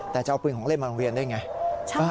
แต่จะเอาปืนของเล่นมาลงเรียนได้อย่างไร